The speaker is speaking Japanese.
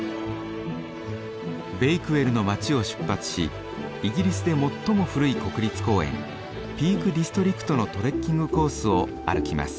ベイクウェルの街を出発しイギリスで最も古い国立公園ピークディストリクトのトレッキングコースを歩きます。